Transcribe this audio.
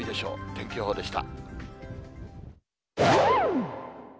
天気予報でした。